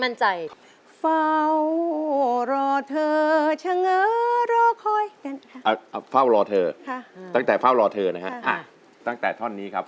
ได้ฟังเพลงต้นฉบับนะครับ